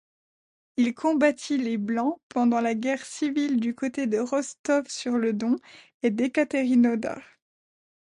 Il combattit les Blancs pendant la guerre civile du côté de Rostov-sur-le-Don et d'Ekaterinodar.